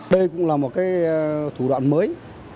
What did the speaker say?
đây cũng là một cái thủ đoạn mới